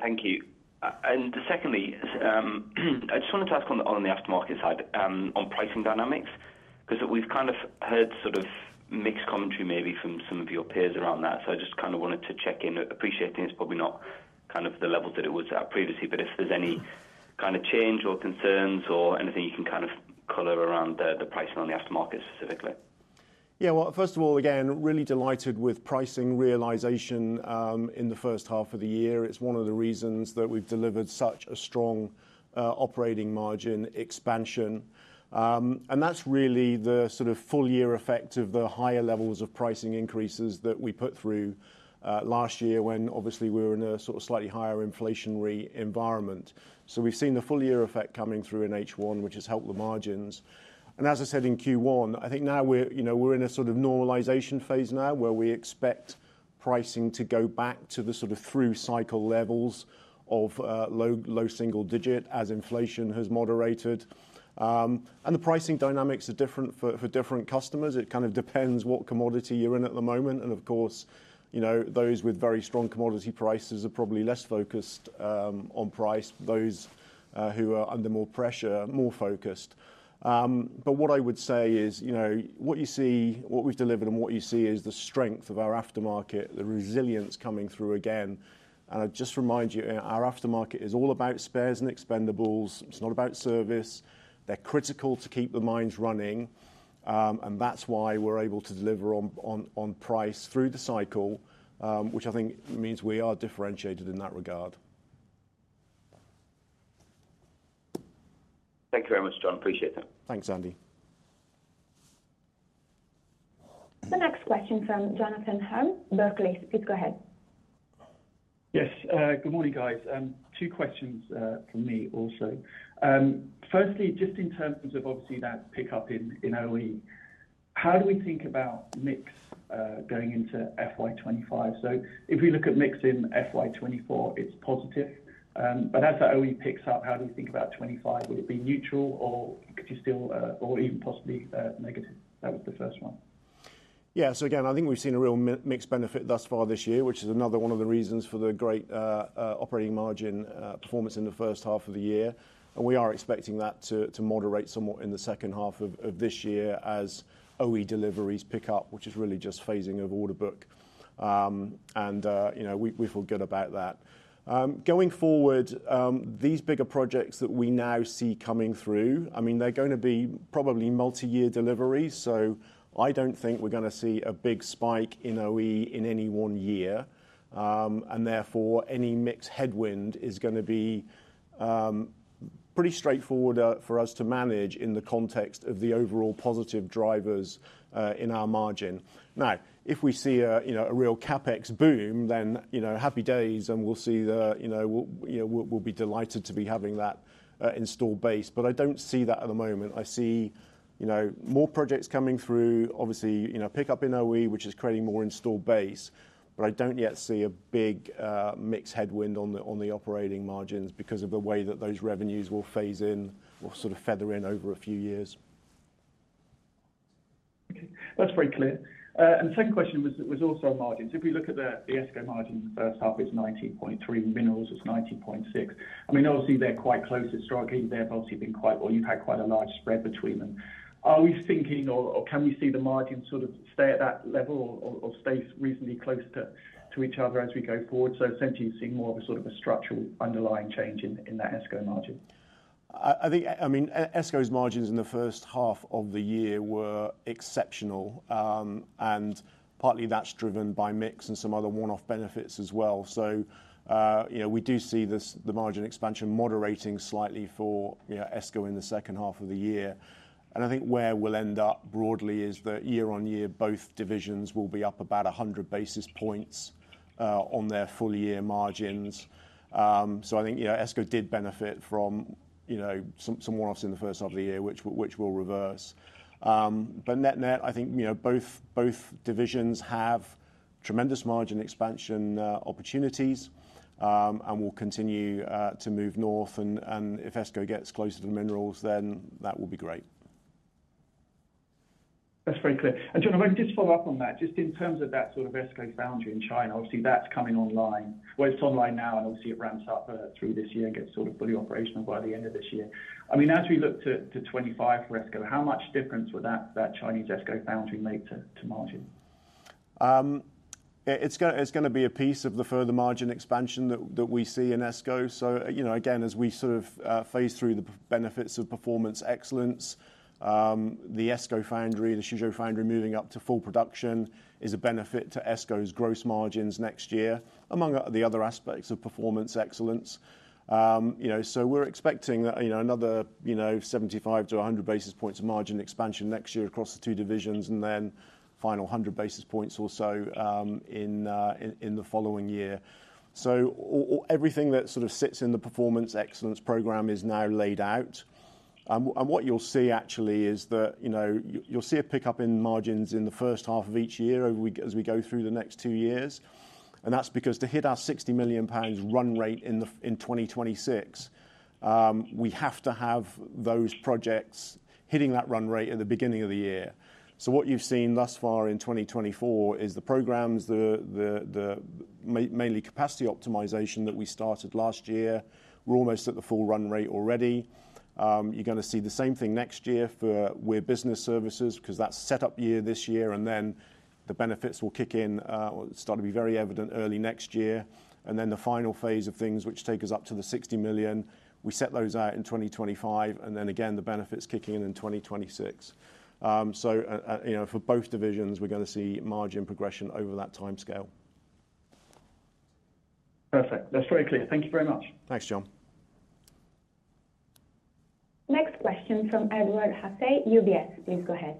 Thank you. And secondly, I just wanted to ask on the, on the aftermarket side, on pricing dynamics, 'cause we've kind of heard sort of mixed commentary maybe from some of your peers around that. So I just kind of wanted to check in. Appreciating it's probably not kind of the level that it was at previously, but if there's any kind of change or concerns or anything you can kind of color around the, the pricing on the aftermarket specifically? Yeah, well, first of all, again, really delighted with pricing realization in the first half of the year. It's one of the reasons that we've delivered such a strong operating margin expansion. And that's really the sort of full year effect of the higher levels of pricing increases that we put through last year, when obviously we were in a sort of slightly higher inflationary environment. So we've seen the full year effect coming through in H1, which has helped the margins. And as I said in Q1, I think now we're, you know, we're in a sort of normalization phase now, where we expect pricing to go back to the sort of through cycle levels of low, low single digit as inflation has moderated. And the pricing dynamics are different for different customers. It kind of depends what commodity you're in at the moment, and of course, you know, those with very strong commodity prices are probably less focused on price. Those who are under more pressure are more focused. But what I would say is, you know, what you see, what we've delivered and what you see is the strength of our aftermarket, the resilience coming through again. And I just remind you, our aftermarket is all about spares and expendables. It's not about service. They're critical to keep the mines running, and that's why we're able to deliver on price through the cycle, which I think means we are differentiated in that regard. Thank you very much, John. Appreciate that. Thanks, Andy. The next question from Jonathan Hurn, Barclays. Please go ahead. Yes, good morning, guys. Two questions from me also. Firstly, just in terms of obviously that pickup in OE, how do we think about mix going into FY 2025? So if we look at mix in FY 2024, it's positive. But as that OE picks up, how do you think about 2025? Will it be neutral, or could you still, or even possibly, negative? That was the first one. Yeah. So again, I think we've seen a real mix benefit thus far this year, which is another one of the reasons for the great operating margin performance in the first half of the year. And we are expecting that to moderate somewhat in the second half of this year as OE deliveries pick up, which is really just phasing of order book. And you know, we feel good about that. Going forward, these bigger projects that we now see coming through, I mean, they're gonna be probably multi-year deliveries, so I don't think we're gonna see a big spike in OE in any one year. And therefore, any mix headwind is gonna be pretty straightforward for us to manage in the context of the overall positive drivers in our margin. Now, if we see a, you know, a real CapEx boom, then, you know, happy days and we'll see the, you know, we'll be delighted to be having that installed base. But I don't see that at the moment. I see, you know, more projects coming through, obviously, you know, pick up in OE, which is creating more installed base, but I don't yet see a big mix headwind on the operating margins because of the way that those revenues will phase in or sort of feather in over a few years. Okay, that's very clear. And the second question was also on margins. If we look at the ESCO margin, the first half is 19.3%, Minerals is 19.6%. I mean, obviously, they're quite close. It's striking. They've obviously been quite... Well, you've had quite a large spread between them. Are we thinking or can we see the margins sort of stay at that level or stay reasonably close to each other as we go forward? So essentially, you're seeing more of a sort of a structural underlying change in that ESCO margin. I think, I mean, ESCO's margins in the first half of the year were exceptional, and partly that's driven by mix and some other one-off benefits as well. So, you know, we do see this, the margin expansion moderating slightly for ESCO in the second half of the year. And I think where we'll end up broadly is that year-on-year, both divisions will be up about 100 basis points on their full year margins. So I think, ESCO did benefit from, you know, some one-offs in the first half of the year, which will reverse. But net-net, I think, you know, both divisions have tremendous margin expansion opportunities, and will continue to move north, and if ESCO gets closer to Minerals, then that will be great. That's very clear. And John, if I can just follow up on that, just in terms of that sort of ESCO foundry in China, obviously, that's coming online. Well, it's online now, and obviously, it ramps up through this year and gets sort of fully operational by the end of this year. I mean, as we look to 25 for ESCO, how much difference would that Chinese ESCO foundry make to margin? It's gonna be a piece of the further margin expansion that we see in ESCO. So, you know, again, as we sort of phase through the benefits of Performance Excellence, the ESCO foundry, the Xuzhou foundry moving up to full production, is a benefit to ESCO's gross margins next year, among the other aspects of Performance Excellence. You know, so we're expecting, you know, another, you know, 75-100 basis points of margin expansion next year across the two divisions, and then final 100 basis points or so in the following year. So everything that sort of sits in the Performance Excellence program is now laid out. And what you'll see actually is that, you know, you'll see a pickup in margins in the first half of each year as we go through the next two years. And that's because to hit our 60 million pounds run rate in 2026, we have to have those projects hitting that run rate at the beginning of the year. So what you've seen thus far in 2024 is the programs, mainly capacity optimization that we started last year. We're almost at the full run rate already. You're gonna see the same thing next year with Business Services, because that's set-up year this year, and then the benefits will kick in, or start to be very evident early next year. And then the final phase of things, which take us up to 60 million, we set those out in 2025, and then again, the benefits kick in in 2026. You know, for both divisions, we're gonna see margin progression over that timescale. Perfect. That's very clear. Thank you very much. Thanks, John. Next question from Edward Haasse, UBS. Please go ahead.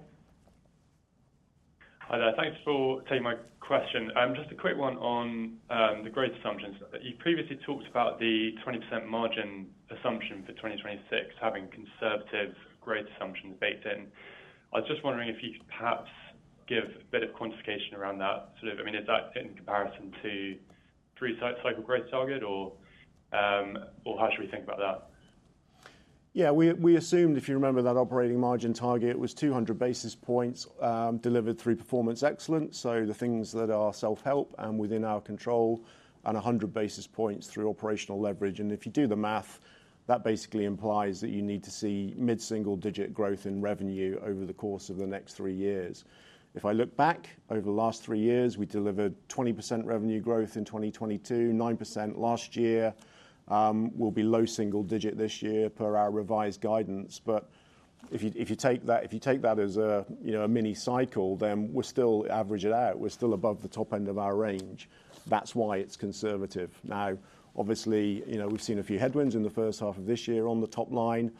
Hi there. Thanks for taking my question. Just a quick one on the growth assumptions. You previously talked about the 20% margin assumption for 2026 having conservative growth assumptions baked in. I was just wondering if you could perhaps give a bit of quantification around that. Sort of, I mean, is that in comparison to through-cycle growth target or, or how should we think about that? Yeah, we assumed, if you remember, that operating margin target was 200 basis points delivered through performance excellence, so the things that are self-help and within our control, and 100 basis points through operational leverage. And if you do the math, that basically implies that you need to see mid-single-digit growth in revenue over the course of the next three years. If I look back over the last three years, we delivered 20% revenue growth in 2022, 9% last year, will be low single digit this year per our revised guidance. But if you take that as a, you know, a mini cycle, then we're still average it out, we're still above the top end of our range. That's why it's conservative. Now, obviously, you know, we've seen a few headwinds in the first half of this year on the top line.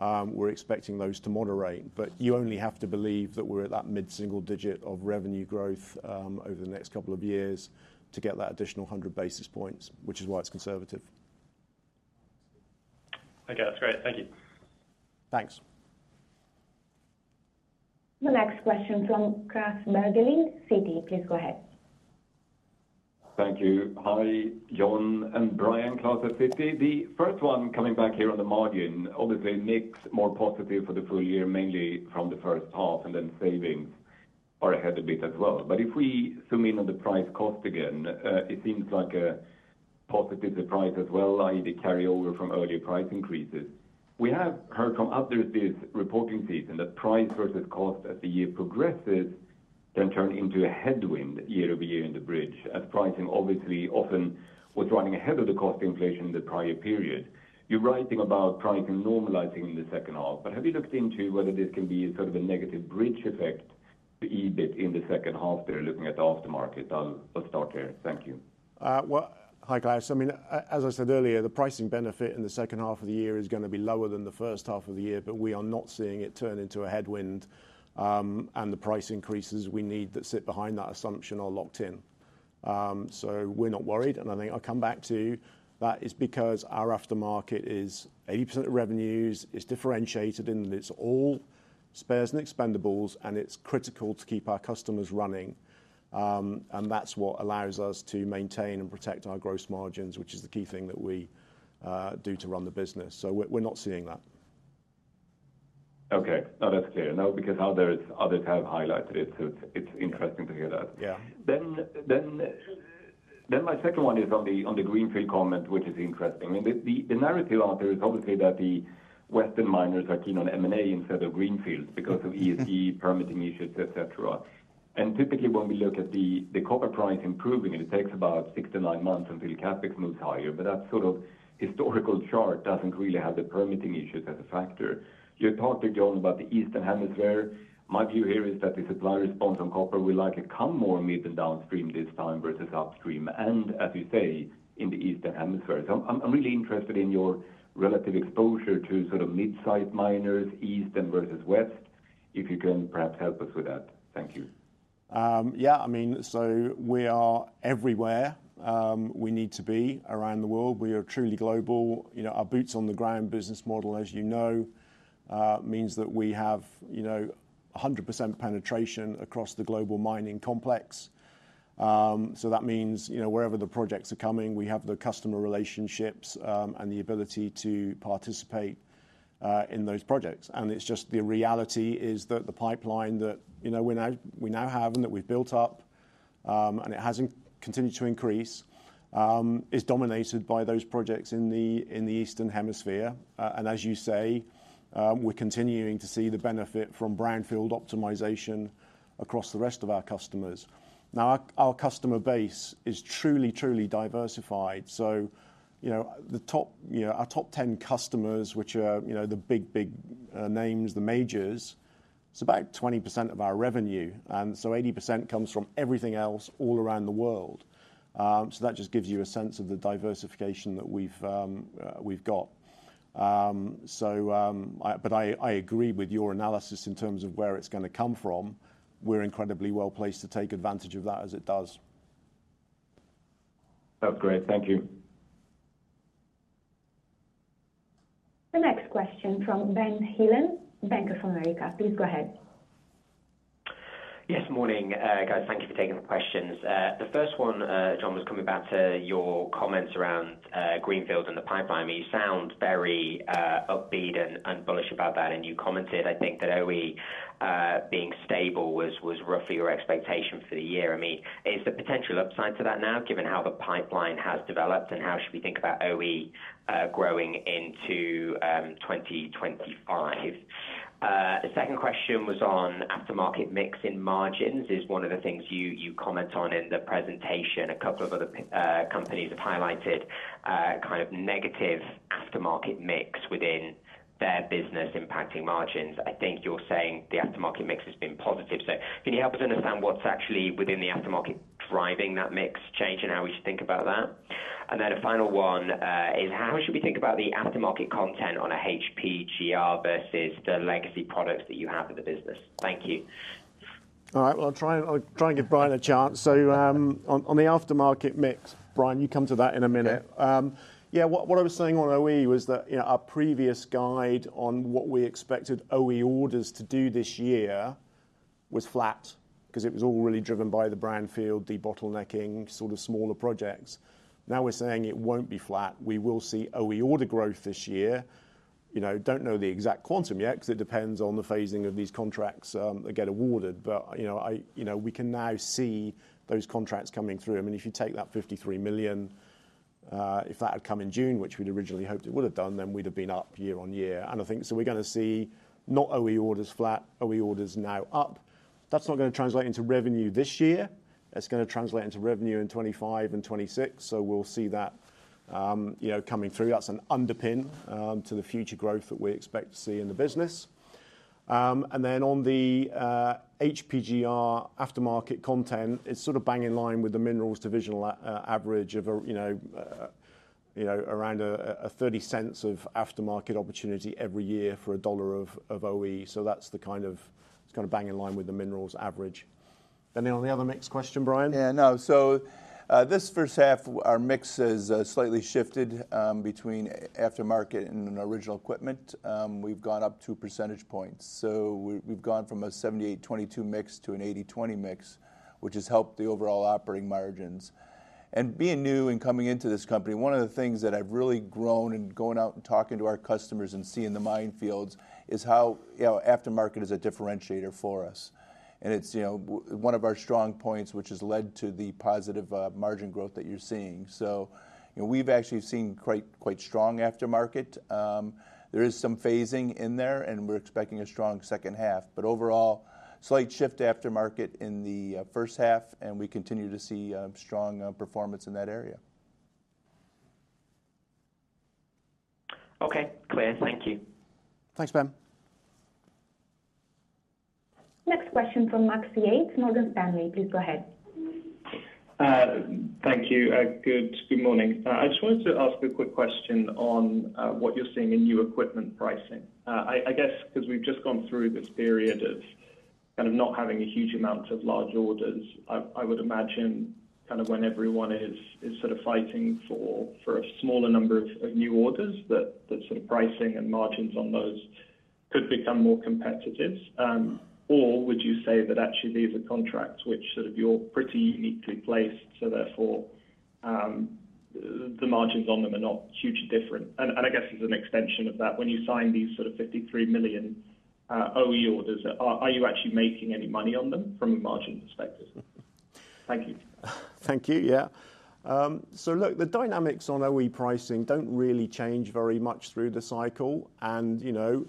We're expecting those to moderate, but you only have to believe that we're at that mid-single digit of revenue growth, over the next couple of years to get that additional 100 basis points, which is why it's conservative. Okay. That's great. Thank you. Thanks. The next question from Klas Bergelind, Citi. Please go ahead. Thank you. Hi, John and Brian. Claes at Citi. The first one coming back here on the margin, obviously, mix more positive for the full year, mainly from the first half, and then savings are ahead a bit as well. But if we zoom in on the price cost again, it seems like a positive surprise as well, i.e., the carryover from earlier price increases. We have heard from others this reporting season that price versus cost as the year progresses, then turn into a headwind year-over-year in the bridge, as pricing obviously often was running ahead of the cost inflation in the prior period. You're writing about pricing normalizing in the second half, but have you looked into whether this can be sort of a negative bridge effect to EBIT in the second half there, looking at the aftermarket? I'll, I'll start there. Thank you. Well, hi, Claes. I mean, as I said earlier, the pricing benefit in the second half of the year is gonna be lower than the first half of the year, but we are not seeing it turn into a headwind. And the price increases we need that sit behind that assumption are locked in. So we're not worried, and I think I'll come back to you. That is because our aftermarket is 80% of revenues, it's differentiated, and it's all spares and expendables, and it's critical to keep our customers running. And that's what allows us to maintain and protect our gross margins, which is the key thing that we do to run the business. So we're not seeing that. Okay. No, that's clear. No, because others, others have highlighted it, so it's, it's interesting to hear that. Yeah. Then my second one is on the greenfield comment, which is interesting. I mean, the narrative out there is obviously that the Western miners are keen on M&A instead of greenfields because of. Mm-hmm ESG permitting issues, et cetera. And typically, when we look at the copper price improving, and it takes about 6-9 months until CapEx moves higher, but that sort of historical chart doesn't really have the permitting issues as a factor. You talked to John about the Eastern Hemisphere. My view here is that the supply response on copper will likely come more mid and downstream this time versus upstream, and as you say, in the Eastern Hemisphere. So I'm really interested in your relative exposure to sort of mid-size miners, Eastern versus West, if you can perhaps help us with that. Thank you. Yeah, I mean, so we are everywhere, we need to be around the world. We are truly global. You know, our boots-on-the-ground business model, as you know, means that we have, you know, 100% penetration across the global mining complex. So that means, you know, wherever the projects are coming, we have the customer relationships, and the ability to participate, in those projects. And it's just the reality is that the pipeline that, you know, we now have and that we've built up, and it has continued to increase, is dominated by those projects in the Eastern Hemisphere. And as you say, we're continuing to see the benefit from brownfield optimization across the rest of our customers. Now, our customer base is truly diversified. So, you know, the top, you know, our top 10 customers, which are, you know, the big, big, names, the majors, it's about 20% of our revenue, and so 80% comes from everything else all around the world. So that just gives you a sense of the diversification that we've got. So, but I agree with your analysis in terms of where it's gonna come from. We're incredibly well placed to take advantage of that as it does. That's great. Thank you. The next question from Ben Heelan, Bank of America. Please go ahead. Yes, morning, guys. Thank you for taking the questions. The first one, John, was coming back to your comments around greenfields and the pipeline. I mean, you sound very upbeat and bullish about that, and you commented, I think, that OE being stable was roughly your expectation for the year. I mean, is there potential upside to that now, given how the pipeline has developed, and how should we think about OE growing into 2025? The second question was on aftermarket mix in margins, is one of the things you comment on in the presentation. A couple of other companies have highlighted kind of negative aftermarket mix within their business impacting margins. I think you're saying the aftermarket mix has been positive. So can you help us understand what's actually within the aftermarket driving that mix change and how we should think about that? And then a final one, is how should we think about the aftermarket content on a HPGR versus the legacy products that you have in the business? Thank you. All right, well, I'll try, I'll try and give Brian a chance. So, on the aftermarket mix, Brian, you come to that in a minute. Okay. Yeah, what, what I was saying on OE was that, you know, our previous guide on what we expected OE orders to do this year was flat, 'cause it was all really driven by the brownfield, debottlenecking, sort of smaller projects. Now, we're saying it won't be flat. We will see OE order growth this year. You know, don't know the exact quantum yet, 'cause it depends on the phasing of these contracts, that get awarded. But, you know, I. You know, we can now see those contracts coming through. I mean, if you take that 53 million, if that had come in June, which we'd originally hoped it would have done, then we'd have been up year on year. And I think. So we're gonna see not OE orders flat, OE orders now up. That's not gonna translate into revenue this year. It's gonna translate into revenue in 25 and 26, so we'll see that, you know, coming through. That's an underpin to the future growth that we expect to see in the business. And then on the HPGR aftermarket content, it's sort of bang in line with the minerals divisional average of around $0.30 of aftermarket opportunity every year for $1 of OE. So that's the kind of. It's kinda bang in line with the minerals average. Anything on the other mix question, Brian? Yeah, no. So, this first half, our mix has slightly shifted between aftermarket and original equipment. We've gone up two percentage points. So we've gone from a 78, 22 mix to an 80, 20 mix, which has helped the overall operating margins. And being new and coming into this company, one of the things that I've really grown in going out and talking to our customers and seeing the mine fields, is how, you know, aftermarket is a differentiator for us. And it's, you know, one of our strong points, which has led to the positive margin growth that you're seeing. So, you know, we've actually seen quite, quite strong aftermarket. There is some phasing in there, and we're expecting a strong second half. Overall, slight shift to Aftermarket in the first half, and we continue to see strong performance in that area. Okay, clear. Thank you. Thanks, Ben. Next question from Max Yates, Morgan Stanley. Please go ahead. Thank you. Good morning. I just wanted to ask a quick question on what you're seeing in new equipment pricing. I guess, 'cause we've just gone through this period of kind of not having a huge amount of large orders, I would imagine kind of when everyone is sort of fighting for a smaller number of new orders, that the sort of pricing and margins on those could become more competitive. Or would you say that actually these are contracts which sort of you're pretty uniquely placed, so therefore, the margins on them are not hugely different? And I guess as an extension of that, when you sign these sort of 53 million OE orders, are you actually making any money on them from a margin perspective? Thank you. Thank you. Yeah. So look, the dynamics on OE pricing don't really change very much through the cycle. And, you know,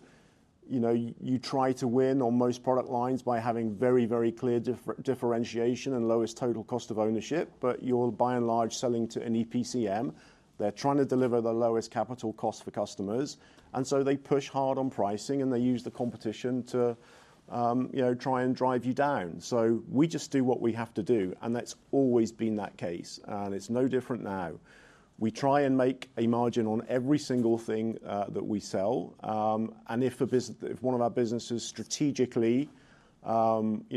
you know, you try to win on most product lines by having very, very clear differentiation and lowest total cost of ownership, but you're by and large selling to an EPCM. They're trying to deliver the lowest capital cost for customers, and so they push hard on pricing, and they use the competition to, you know, try and drive you down. So we just do what we have to do, and that's always been that case, and it's no different now. We try and make a margin on every single thing that we sell. And if one of our businesses strategically, you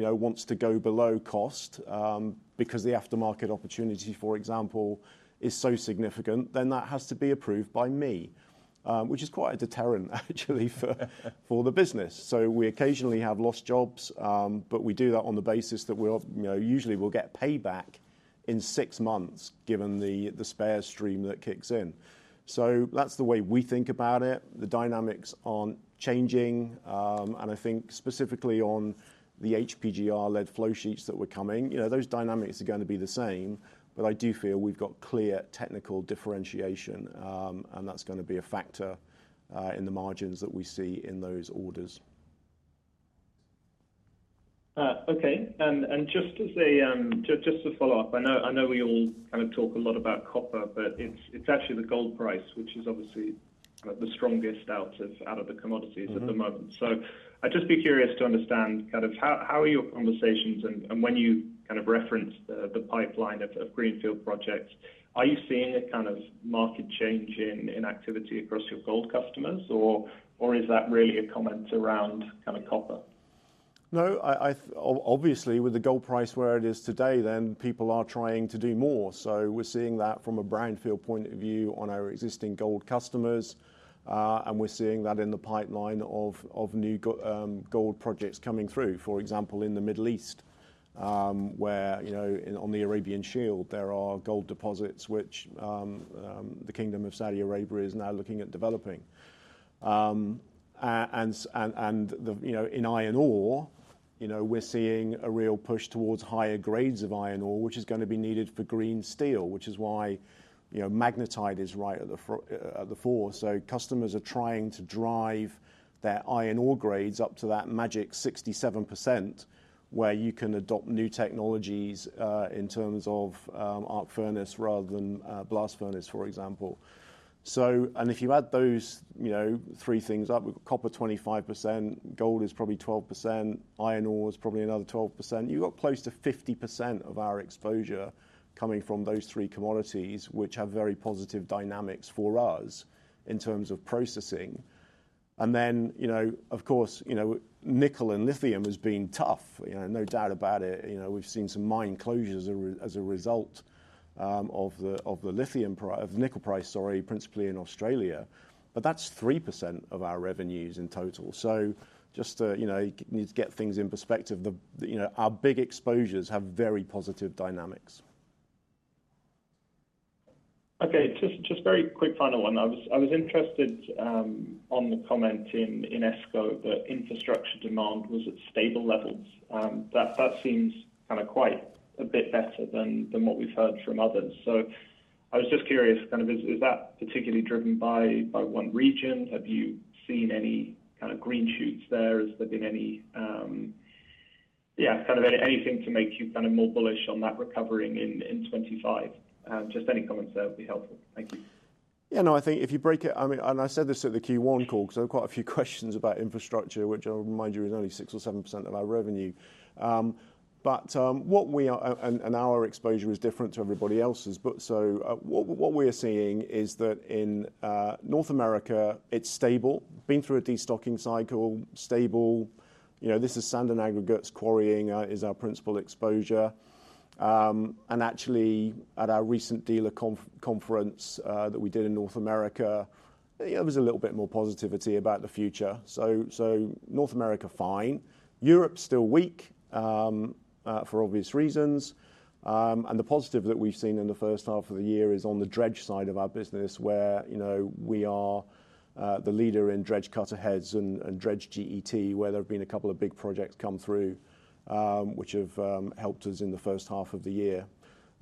know, wants to go below cost, because the aftermarket opportunity, for example, is so significant, then that has to be approved by me, which is quite a deterrent, actually, for the business. So we occasionally have lost jobs, but we do that on the basis that we'll, you know, usually we'll get payback in six months, given the spare stream that kicks in. So that's the way we think about it. The dynamics aren't changing. And I think specifically on the HPGR-led flow sheets that were coming, you know, those dynamics are gonna be the same, but I do feel we've got clear technical differentiation, and that's gonna be a factor in the margins that we see in those orders. Okay. And just to follow up, I know we all kind of talk a lot about copper, but it's actually the gold price, which is obviously the strongest out of the commodities at the moment. So I'd just be curious to understand kind of how are your conversations, and when you kind of reference the pipeline of greenfield projects, are you seeing a kind of market change in activity across your gold customers, or is that really a comment around kinda copper? No, obviously, with the gold price where it is today, then people are trying to do more. So we're seeing that from a brownfield point of view on our existing gold customers, and we're seeing that in the pipeline of new gold projects coming through. For example, in the Middle East, where, you know, on the Arabian Shield, there are gold deposits which the Kingdom of Saudi Arabia is now looking at developing. And the, you know, in iron ore, you know, we're seeing a real push towards higher grades of iron ore, which is gonna be needed for green steel, which is why, you know, magnetite is right at the fore. So customers are trying to drive their iron ore grades up to that magic 67%, where you can adopt new technologies, in terms of, arc furnace rather than, blast furnace, for example. And if you add those, you know, three things up, copper 25%, gold is probably 12%, iron ore is probably another 12%. You got close to 50% of our exposure coming from those three commodities, which have very positive dynamics for us in terms of processing. And then, you know, of course, you know, nickel and lithium has been tough, you know, no doubt about it. You know, we've seen some mine closures as a result of the nickel price, sorry, principally in Australia, but that's 3% of our revenues in total. So just to, you know, need to get things in perspective, the, you know, our big exposures have very positive dynamics. Okay, just very quick final one. I was interested on the comment in ESCO that infrastructure demand was at stable levels. That seems kind of quite a bit better than what we've heard from others. So I was just curious, kind of, is that particularly driven by one region? Have you seen any kind of green shoots there? Has there been any yeah, kind of anything to make you kind of more bullish on that recovering in 2025? Just any comments there would be helpful. Thank you. Yeah, no, I think if you break it, I mean, and I said this at the Q1 call, because there were quite a few questions about infrastructure, which I'll remind you, is only 6 or 7% of our revenue. But what we are, and our exposure is different to everybody else's. But so, what we are seeing is that in North America, it's stable. Been through a destocking cycle, stable. You know, this is sand and aggregates. Quarrying is our principal exposure. And actually at our recent dealer conference that we did in North America, there was a little bit more positivity about the future. So North America, fine. Europe, still weak for obvious reasons. And the positive that we've seen in the first half of the year is on the dredge side of our business, where, you know, we are, the leader in dredge cutter heads and, and dredge GET, where there have been a couple of big projects come through, which have helped us in the first half of the year.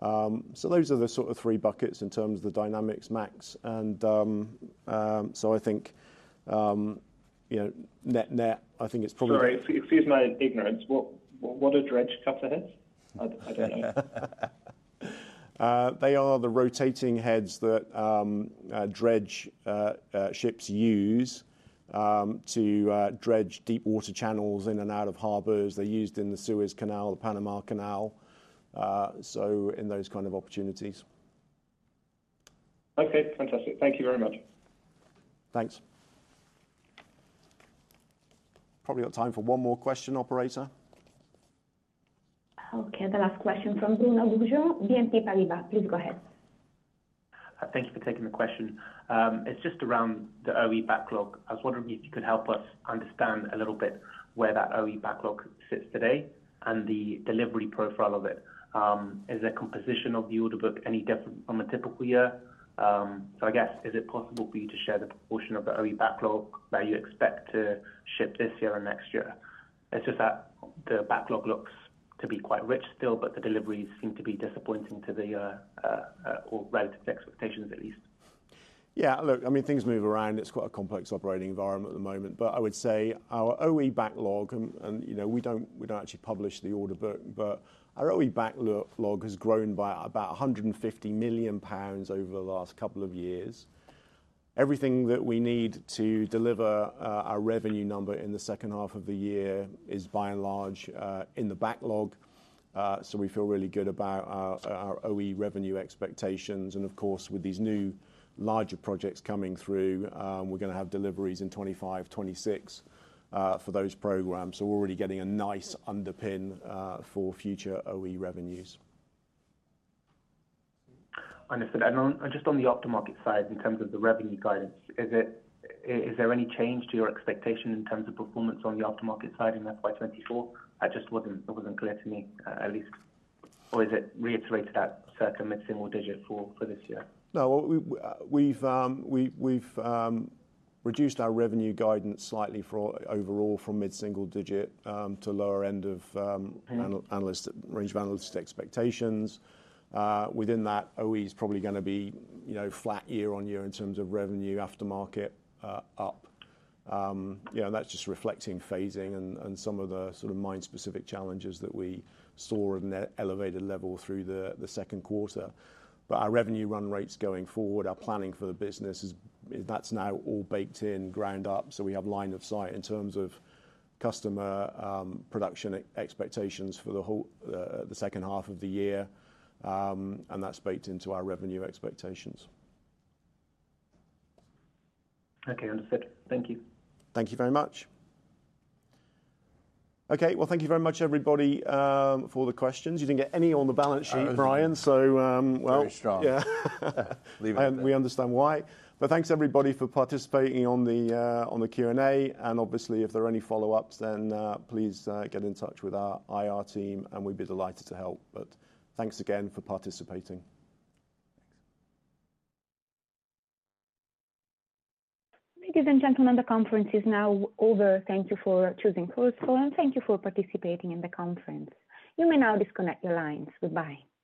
So those are the sort of three buckets in terms of the dynamics, Max. And, so I think, you know, net-net, I think it's probably. Sorry, excuse my ignorance. What are dredge cutter heads? I don't know. They are the rotating heads that dredge ships use to dredge deep water channels in and out of harbors. They're used in the Suez Canal, the Panama Canal, so in those kind of opportunities. Okay, fantastic. Thank you very much. Thanks. Probably got time for one more question, operator. Okay, the last question from Bruno Goujon, BNP Paribas. Please go ahead. Thank you for taking the question. It's just around the OE backlog. I was wondering if you could help us understand a little bit where that OE backlog sits today and the delivery profile of it. Is the composition of the order book any different from a typical year? So I guess, is it possible for you to share the proportion of the OE backlog that you expect to ship this year and next year? It's just that the backlog looks to be quite rich still, but the deliveries seem to be disappointing to the year, or relative to expectations at least. Yeah, look, I mean, things move around. It's quite a complex operating environment at the moment. But I would say our OE backlog and, you know, we don't actually publish the order book, but our OE backlog has grown by about 150 million pounds over the last couple of years. Everything that we need to deliver our revenue number in the second half of the year is by and large in the backlog. So we feel really good about our OE revenue expectations. And of course, with these new larger projects coming through, we're gonna have deliveries in 2025, 2026 for those programs. So we're already getting a nice underpin for future OE revenues. Understood. And on, just on the aftermarket side, in terms of the revenue guidance, is there any change to your expectation in terms of performance on the aftermarket side in FY 2024? It just wasn't clear to me, at least. Or is it reiterated that second mid-single digit for this year? No, we've reduced our revenue guidance slightly for overall from mid-single digit to lower end of analyst range of analyst expectations. Within that, OE is probably gonna be, you know, flat year-on-year in terms of revenue, aftermarket up. You know, that's just reflecting phasing and some of the sort of mine-specific challenges that we saw in their elevated level through the second quarter. But our revenue run rates going forward, our planning for the business is, that's now all baked in, ground up, so we have line of sight in terms of customer production expectations for the whole, the second half of the year. And that's baked into our revenue expectations. Okay, understood. Thank you. Thank you very much. Okay, well, thank you very much, everybody, for the questions. You didn't get any on the balance sheet, Brian, so, well- Very strong. Yeah. Leave it there. We understand why. Thanks, everybody, for participating on the Q&A. Obviously, if there are any follow-ups, then please get in touch with our IR team, and we'd be delighted to help. Thanks again for participating. Ladies and gentlemen, the conference is now over. Thank you for choosing Chorus Call, and thank you for participating in the conference. You may now disconnect your lines. Goodbye.